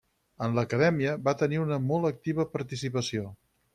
En l'Acadèmia, va tenir una molt activa participació.